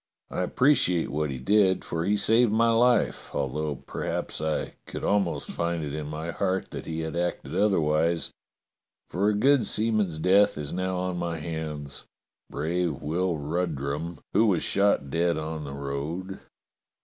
I appreciate what he did, for he saved my life, although perhaps I could almost find it in my heart that he had acted otherwise, for a good seaman's death is now on my hands — brave Will Ru drum, who was shot dead on the road.